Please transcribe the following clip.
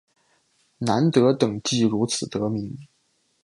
南德等即如此得名。